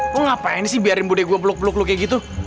lo ngapain sih biarin budi gue peluk peluk lu kayak gitu